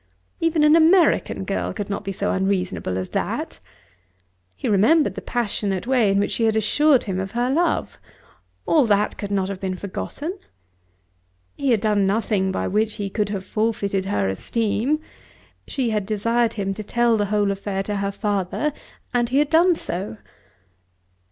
Even an American girl could not be so unreasonable as that. He remembered the passionate way in which she had assured him of her love. All that could not have been forgotten! He had done nothing by which he could have forfeited her esteem. She had desired him to tell the whole affair to her father, and he had done so.